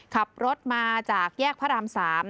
ขับรถมาจากแยกพระราม๓